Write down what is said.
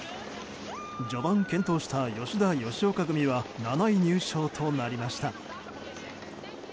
序盤、健闘した吉田、吉岡組は７位入賞となりました。